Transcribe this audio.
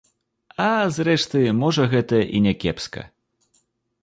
А, зрэшты, можа, гэта і някепска.